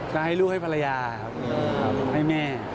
ก็ให้ลูกให้ภรรยาครับให้แม่